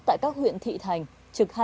tại các huyện thị thành trực hai mươi bốn